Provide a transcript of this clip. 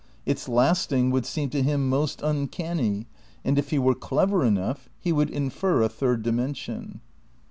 Its lasting would seem to him most uncanny, and if he were clever enough he would infer a third dimension.